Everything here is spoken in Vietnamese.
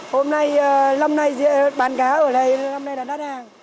hôm nay lâm nay bán cá ở đây lâm nay là đắt hàng